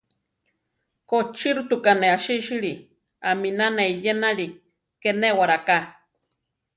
Kochilótuka ne asísili, aminá ne eyénali, ké néwaraká.